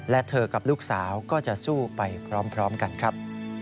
และเธอกับลูกสาวก็จะสู้ไปพร้อมกันครับ